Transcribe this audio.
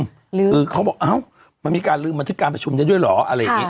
คือเขาบอกอ้าวมันมีการลืมบันทึกการประชุมนี้ด้วยเหรอ